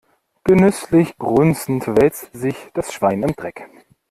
Genüsslich grunzend wälzte sich das Schwein im Dreck.